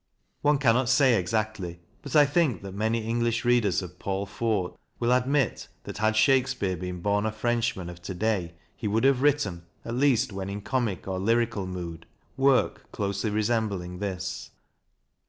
One cannot say exactly, but I think that many English readers of Paul Fort will admit that had Shakespeare been born a Frenchman of to day he would have written, at least when in comic or lyric mood, work closely resembling this.